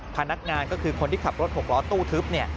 พนักงานก็คือคนที่ขับรถหกล้อตู้ทึบเนี่ย